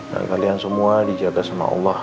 dan kalian semua dijaga sama allah